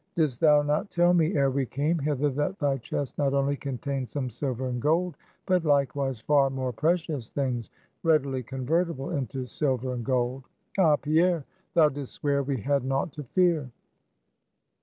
Didst thou not tell me, ere we came hither, that thy chest not only contained some silver and gold, but likewise far more precious things, readily convertible into silver and gold? Ah, Pierre, thou didst swear we had naught to fear!"